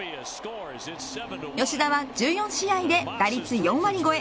吉田は１４試合で打率４割超え。